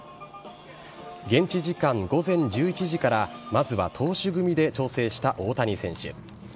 現地時間午前１１時からまずは投手組で調整した大谷選手。